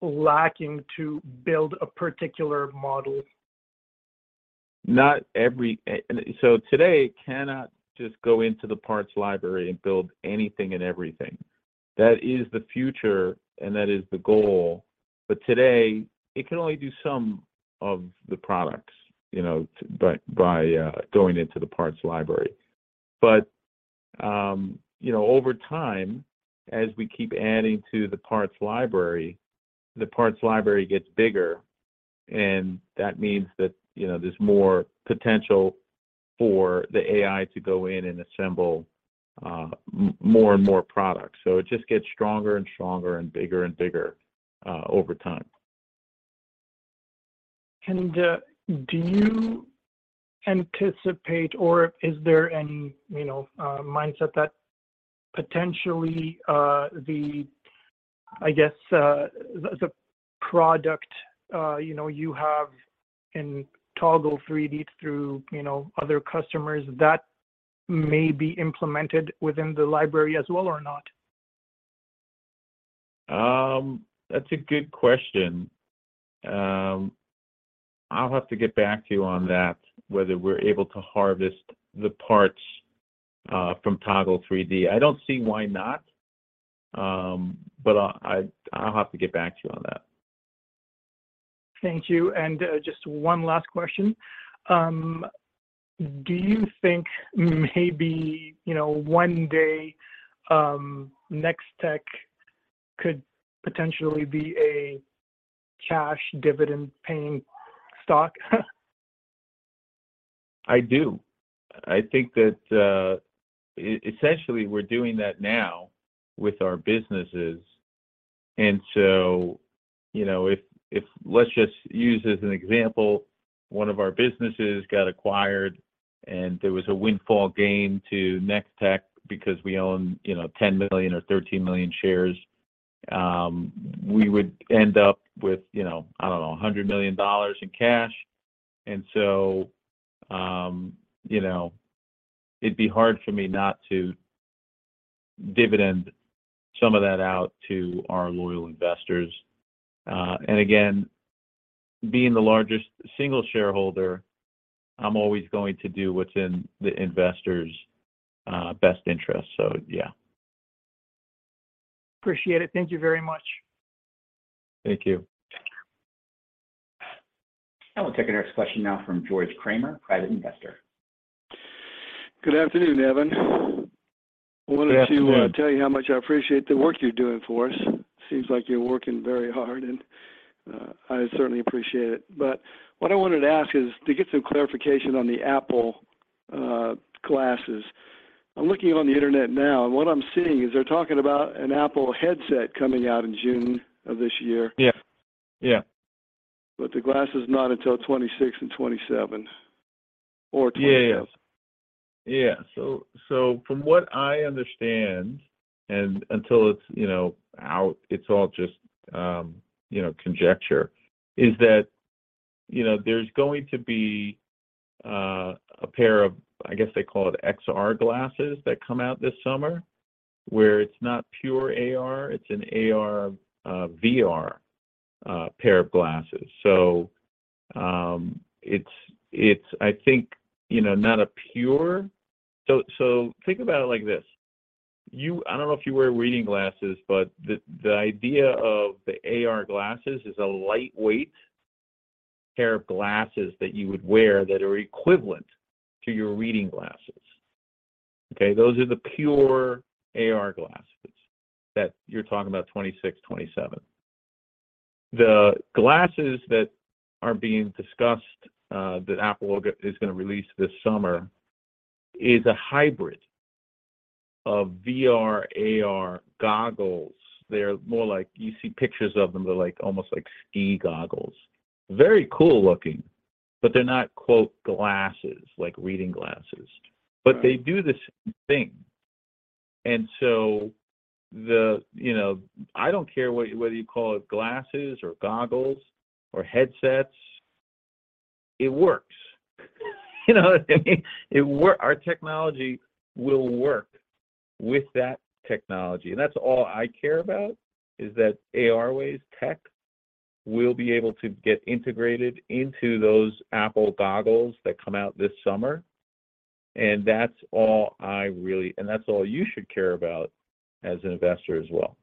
lacking to build a particular model? Today, it cannot just go into the parts library and build anything and everything. That is the future, and that is the goal. Today, it can only do some of the products, you know, by going into the parts library. You know, over time, as we keep adding to the parts library, the parts library gets bigger, and that means that, you know, there's more potential for the AI to go in and assemble, more and more products. It just gets stronger and stronger and bigger and bigger over time. Do you anticipate or is there any, you know, mindset that potentially, the, I guess, the product, you know, you have in Toggle3D.ai through, you know, other customers that may be implemented within the library as well or not? That's a good question. I'll have to get back to you on that, whether we're able to harvest the parts from Toggle3D.ai. I don't see why not, but I'll have to get back to you on that. Thank you. Just one last question. Do you think maybe, you know, one day, Nextech could potentially be a cash dividend paying stock? I do. I think that essentially, we're doing that now with our businesses. You know, let's just use as an example, one of our businesses got acquired, and there was a windfall gain to Nextech because we own, you know, 10 million or 13 million shares. We would end up with, you know, I don't know, 100 million dollars in cash. You know, it'd be hard for me not to dividend some of that out to our loyal investors. Being the largest single shareholder, I'm always going to do what's in the investors' best interest. Yeah. Appreciate it. Thank you very much. Thank you. We'll take our next question now from George Kramer, private investor. Good afternoon, Evan. Good afternoon. I wanted to tell you how much I appreciate the work you're doing for us. Seems like you're working very hard, and I certainly appreciate it. What I wanted to ask is to get some clarification on the Apple glasses. I'm looking on the internet now, and what I'm seeing is they're talking about an Apple headset coming out in June of this year. Yeah. Yeah. The glass is not until 2026 and 2027 or 2028. Yeah. Yeah. From what I understand, and until it's, you know, out, it's all just, you know, conjecture, is that, you know, there's going to be a pair of, I guess they call it XR glasses that come out this summer, where it's not pure AR, it's an AR, VR pair of glasses. It's I think, you know, not a pure. Think about it like this. I don't know if you wear reading glasses, but the idea of the AR glasses is a lightweight pair of glasses that you would wear that are equivalent to your reading glasses. Okay? Those are the pure AR glasses that you're talking about, 2026, 2027. The glasses that are being discussed that Apple is gonna release this summer is a hybrid of VR, AR goggles. They're more like, you see pictures of them, they're like almost like ski goggles. Very cool-looking, but they're not, quote, "glasses" like reading glasses. Right. They do the same thing. You know, I don't care what, whether you call it glasses or goggles or headsets, it works. You know what I mean? Our technology will work with that technology. That's all I care about, is that ARway's tech will be able to get integrated into those Apple goggles that come out this summer. That's all you should care about as an investor as well.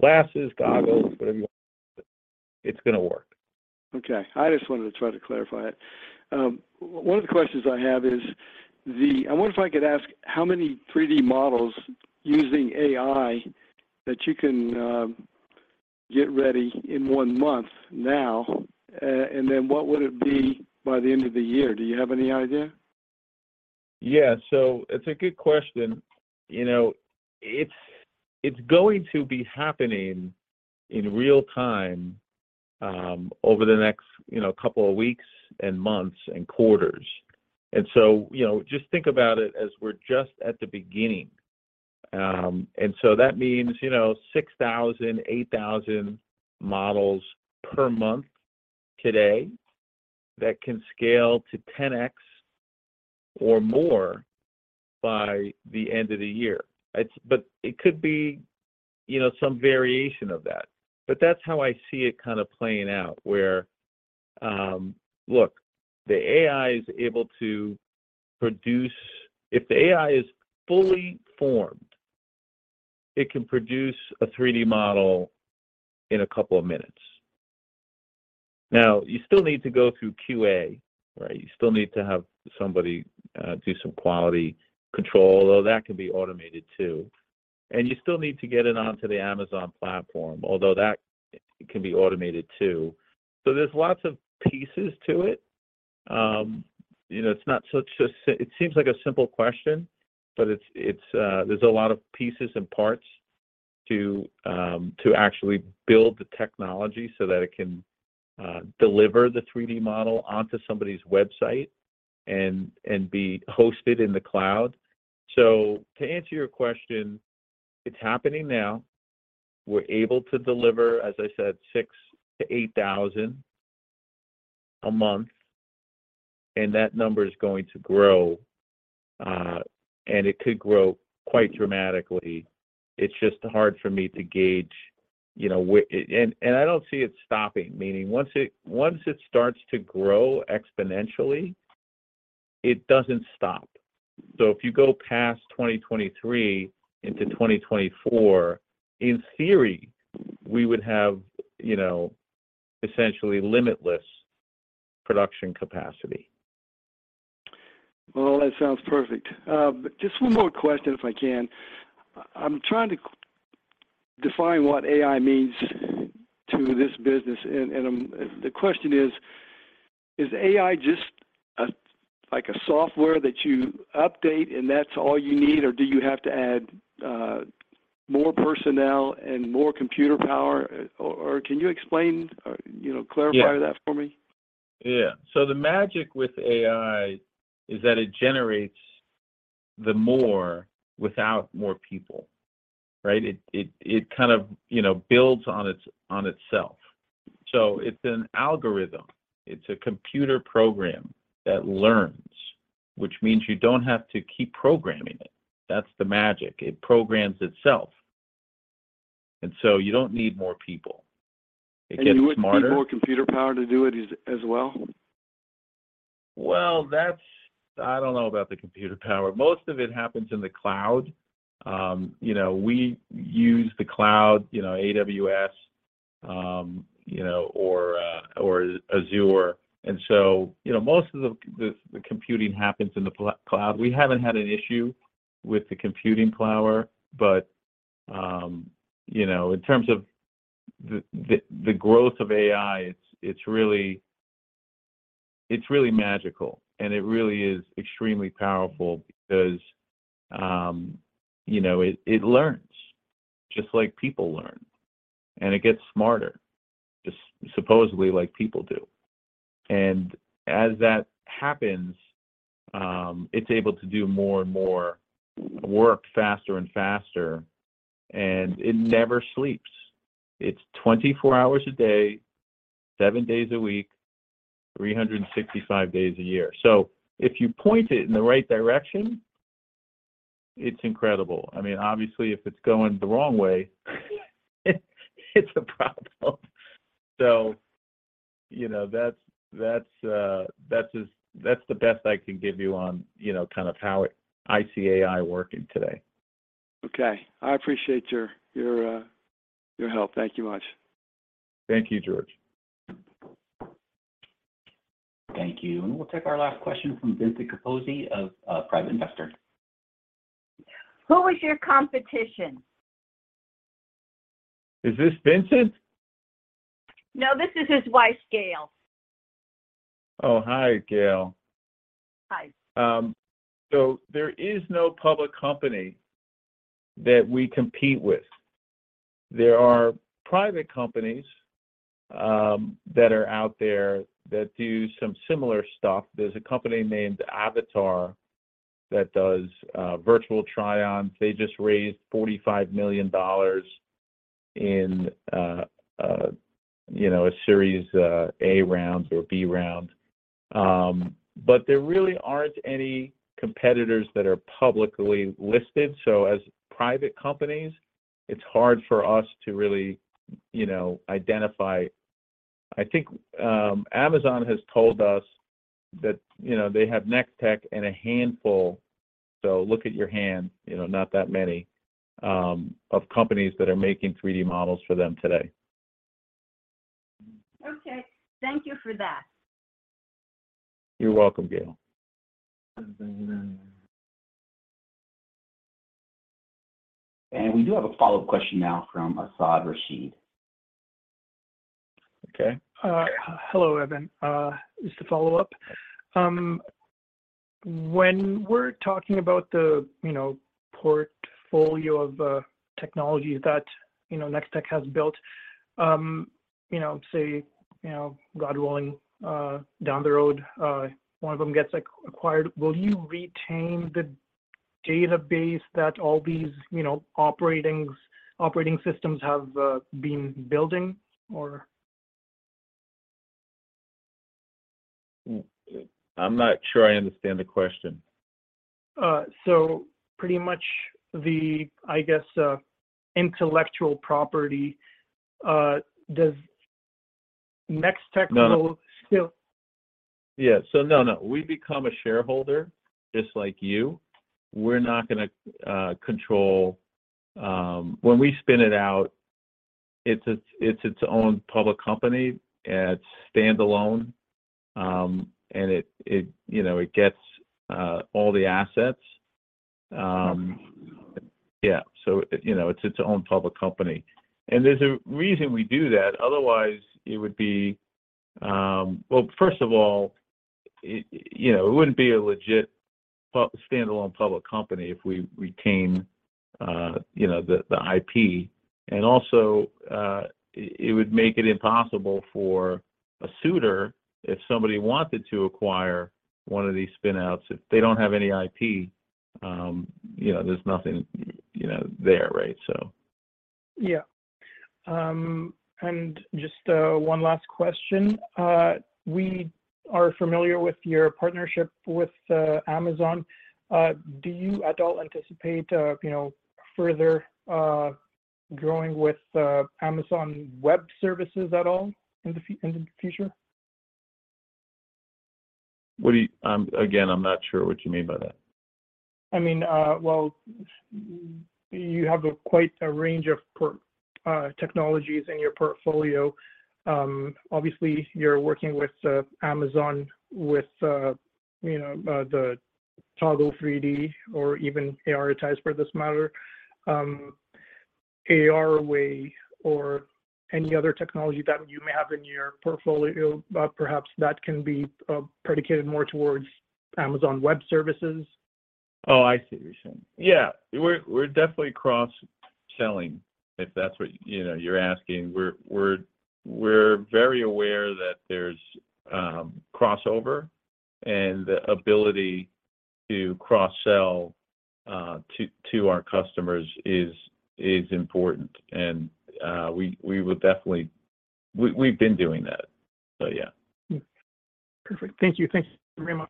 Glasses, goggles, whatever you wanna call it's gonna work. Okay. I just wanted to try to clarify it. One of the questions I have is I wonder if I could ask how many 3D models using AI that you can get ready in 1 month now, and then what would it be by the end of the year? Do you have any idea? Yeah. It's a good question. You know, it's going to be happening in real time, over the next, you know, couple of weeks and months and quarters. You know, just think about it as we're just at the beginning. That means, you know, 6,000, 8,000 models per month today that can scale to 10x or more by the end of the year. It could be, you know, some variation of that. That's how I see it kind of playing out. Look, the AI is able to produce. If the AI is fully formed, it can produce a 3D model in a couple of minutes. Now, you still need to go through QA, right? You still need to have somebody do some quality control, although that can be automated too. You still need to get it onto the Amazon platform, although that can be automated too. There's lots of pieces to it. You know, it seems like a simple question, but it's, there's a lot of pieces and parts to actually build the technology so that it can deliver the 3D model onto somebody's website and be hosted in the cloud. To answer your question, it's happening now. We're able to deliver, as I said, 6,000 to 8,000 a month, and that number is going to grow and it could grow quite dramatically. It's just hard for me to gauge, you know, I don't see it stopping, meaning once it, once it starts to grow exponentially, it doesn't stop. If you go past 2023 into 2024, in theory, we would have, you know, essentially limitless production capacity. That sounds perfect. Just one more question, if I can. I'm trying to define what AI means to this business, the question is AI just a, like a software that you update, and that's all you need, or do you have to add more personnel and more computer power? Can you explain or, you know? Yeah. Clarify that for me? Yeah. The magic with AI is that it generates the more without more people, right? It kind of, you know, builds on its, on itself. It's an algorithm, it's a computer program that learns, which means you don't have to keep programming it. That's the magic. It programs itself. You don't need more people. It gets smarter. You wouldn't need more computer power to do it as well? Well, I don't know about the computer power. Most of it happens in the cloud. You know, we use the cloud, you know, AWS, you know, or Azure. You know, most of the computing happens in the cloud. We haven't had an issue with the computing power. You know, in terms of the growth of AI, it's really magical, and it really is extremely powerful because, you know, it learns just like people learn, and it gets smarter, just supposedly like people do. As that happens, it's able to do more and more work faster and faster, and it never sleeps. It's 24 hours a day, seven days a week, 365 days a year. If you point it in the right direction, it's incredible. I mean, obviously, if it's going the wrong way it's a problem. You know, that's the best I can give you on, you know, kind of how I see AI working today. Okay. I appreciate your help. Thank you much. Thank you, George. Thank you. We'll take our last question from Vincent Capozzi of Private Investor. Who is your competition? Is this Vincent? No, this is his wife, Gail Capozzi. Oh, hi, Gail Capozzi. Hi. There is no public company that we compete with. There are private companies that are out there that do some similar stuff. There's a company named Avatar that does virtual try-ons. They just raised 45 million dollars in, you know, a series A round or B round. There really aren't any competitors that are publicly listed. As private companies, it's hard for us to really, you know, identify. I think Amazon has told us that, you know, they have Nextech and a handful, so look at your hand, you know, not that many of companies that are making 3D models for them today. Okay. Thank you for that. You're welcome, Gail. We do have a follow-up question now from Asad Rashid. Okay. Hello, Evan. Just a follow-up. When we're talking about the, you know, portfolio of technologies that, you know, Nextech has built, you know, say, you know, God willing, down the road, one of them gets acquired, will you retain the database that all these, you know, operating systems have been building or...? I'm not sure I understand the question. Pretty much the, I guess, intellectual property, does Nextech-. No. -still? Yeah. No, no. We become a shareholder just like you. We're not gonna control. When we spin it out, it's its own public company. It's stand-alone, and it, you know, it gets all the assets. Yeah. It, you know, it's its own public company. There's a reason we do that. Otherwise, it would be. Well, first of all, it, you know, it wouldn't be a legit standalone public company if we retain, you know, the IP. Also, it would make it impossible for a suitor, if somebody wanted to acquire one of these spin-outs, if they don't have any IP, you know, there's nothing, you know, there, right? Yeah. Just one last question. We are familiar with your partnership with Amazon. Do you at all anticipate, you know, further growing with Amazon Web Services at all in the future? Again, I'm not sure what you mean by that. I mean, well, you have a quite a range of technologies in your portfolio. Obviously you're working with Amazon with, you know, the Toggle3D.ai, or even ARitize for this matter. ARway or any other technology that you may have in your portfolio, perhaps that can be predicated more towards Amazon Web Services. Oh, I see what you're saying. Yeah. We're definitely cross-selling, if that's what, you know, you're asking. We're very aware that there's crossover and the ability to cross-sell to our customers is important and we would definitely. We've been doing that, so yeah. Yeah. Perfect. Thank you. Thank you very much.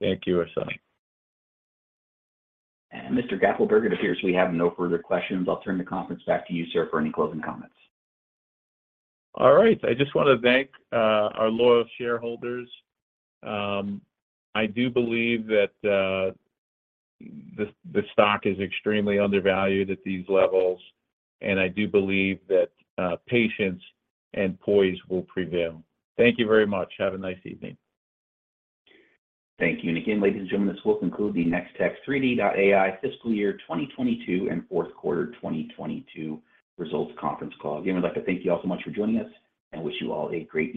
Thank you, Asad Rashid. Mr. Gappelberg, it appears we have no further questions. I'll turn the conference back to you, sir, for any closing comments. All right. I just wanna thank our loyal shareholders. I do believe that the stock is extremely undervalued at these levels, and I do believe that patience and poise will prevail. Thank you very much. Have a nice evening. Thank you. Again, ladies and gentlemen, this will conclude the Nextech3D.AI fiscal year 2022 and Q4 2022 results conference call. Again, we'd like to thank you all so much for joining us and wish you all a great week.